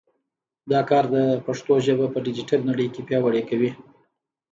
دا کار د پښتو ژبه په ډیجیټل نړۍ کې پیاوړې کوي.